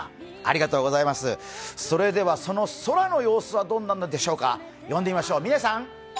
その空の様子はどんななのでしょうか。